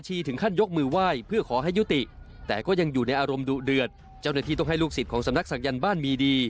เจ้าหน้าที่ต้องให้ลูกศิษย์ของสำนักศักยันต์บ้านมีดี